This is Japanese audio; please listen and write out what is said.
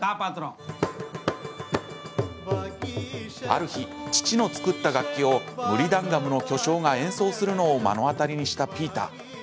ある日、父の作った楽器をムリダンガムの巨匠が演奏するのを目の当たりにしたピーター。